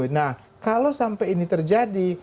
nah kalau sampai ini terjadi